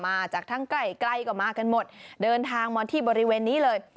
มาจากทั้งใกล้ก็มากันหมดเดินทางมาที่บริเวณนี้เลย